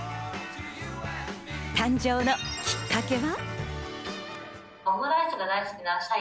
誕生のきっかけは？